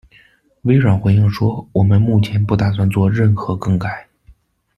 微软回应说：「我们目前不打算做任何更改。